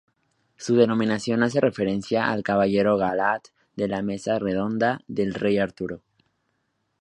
Su denominación hace referencia al caballero Galahad de la Mesa Redonda del Rey Arturo.